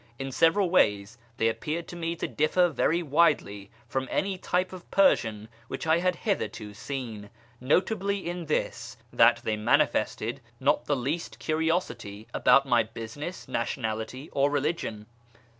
In several ways they appeared to me to differ very widely from any type of Persian which I had hitherto seen, notably in this, that they manifested not the least curiosity about my business, nationality, or religion.